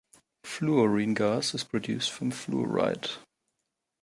Fluorine gas is produced from fluorite.